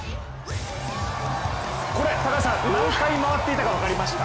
これ、何回回っていたか分かりました？